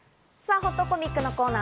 ほっとコミックのコーナー。